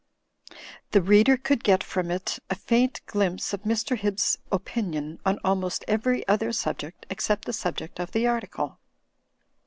The reader could get from it a faint glimpse of Mr. Hibbs's opinion on almost every other subject except the sub ject of the article.